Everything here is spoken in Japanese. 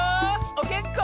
おげんこ？